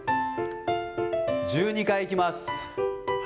１２回いきます。